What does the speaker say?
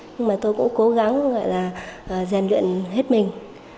nhưng mà tôi cũng cố gắng gọi là rèn luyện hết mình